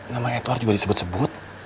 namanya edward juga disebut sebut